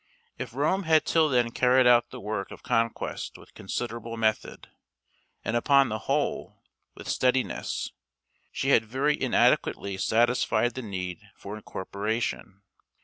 If Rome had till then carried out the work of conquest with considerable method, and upon the whole, with steadiness, she had very inadequately satisfied the need for incorporation.